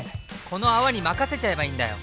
この泡に任せちゃえばいいんだよ！